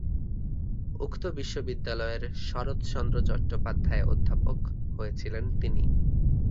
উক্ত বিশ্ববিদ্যালয়ের "শরৎচন্দ্র চট্টোপাধ্যায় অধ্যাপক" হয়েছিলেন তিনি।